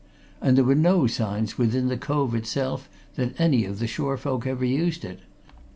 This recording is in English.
And there were no signs within the cove itself that any of the shore folk ever used it.